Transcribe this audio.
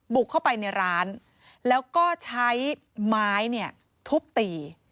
บุกเข้าไปในร้านแล้วก็ใช้ไม้เนี่ยทุบตี